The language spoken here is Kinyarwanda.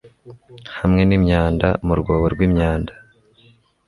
hamwe n'imyanda mu rwobo rw'imyanda